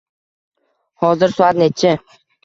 Hozir soat nechi?